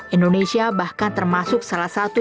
indonesia bahkan termasuk salah satu